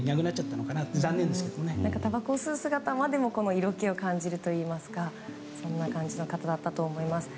たばこを吸う姿までも色気を感じるそんな感じの方だったと思います。